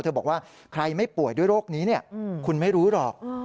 บอกว่าใครไม่ป่วยด้วยโรคนี้คุณไม่รู้หรอก